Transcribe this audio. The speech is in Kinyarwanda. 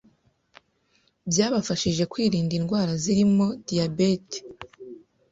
byabafashije kwirinda indwara zirimo diyabeti,